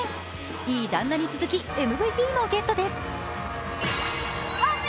いい旦那に続きＭＶＰもゲットです。